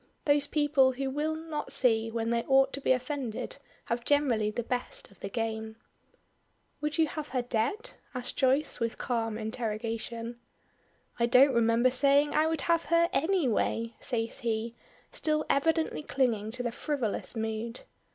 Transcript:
Those people who will not see when they ought to be offended have generally the best of the game. "Would you have her dead?" asks Joyce, with calm interrogation. "I don't remember saying I would have her any way," says he, still evidently clinging to the frivolous mood.